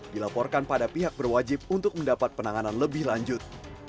dilaporkan pada pihak berwajib untuk mendapat penanganan lebih lanjut